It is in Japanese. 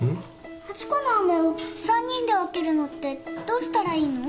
８個のあめを３人で分けるのってどうしたらいいの？